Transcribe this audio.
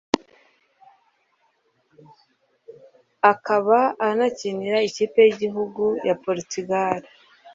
akaba anakinira ikipe y’igihugu ya Portugal